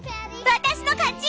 私の勝ちぃ！